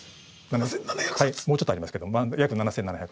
もうちょっとありますけど約７，７００です。